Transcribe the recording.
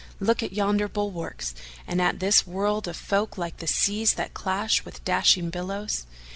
Look at yonder bulwarks and at this world of folk like the seas that clash with dashing billows.